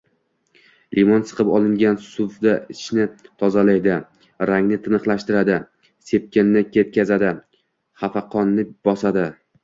Limon siqib olingan suvi ichni tozalaydi, rangni tiniqlashtiradi, sepkilni ketkazadi, xafaqonni bosadi.